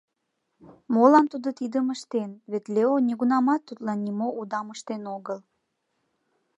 Молан тудо тидым ыштен, вет Лео нигунамат тудлан нимо удам ыштен огыл.